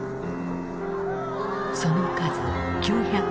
その数９００人。